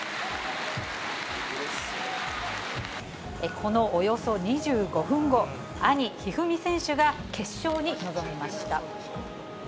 このおよそ２５分後、兄、一二三選手が決勝に臨みました。